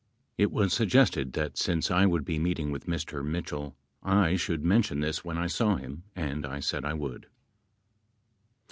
It was suggested that since I would be meeting with Mr. Mitchell I should mention this when I saw him and I said I would.